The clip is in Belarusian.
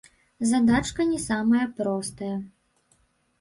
Задачка не самая простая!